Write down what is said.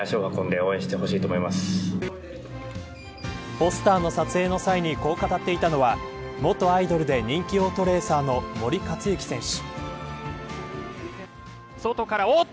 ポスターの撮影の際にこう語っていたのは元アイドルで人気オートレーサーの森且行選手。